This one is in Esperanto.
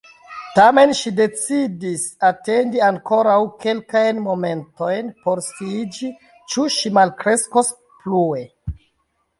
Tamen ŝi decidis atendi ankoraŭ kelkajn momentojn por sciiĝi ĉu ŝi malkreskos plue.